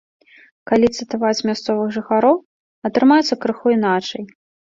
Калі цытаваць мясцовых жыхароў, атрымаецца крыху іначай.